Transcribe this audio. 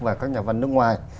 và các nhà văn nước ngoài